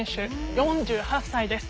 ４８歳です。